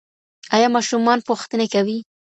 ایا ماشومان پوښتني کوي؟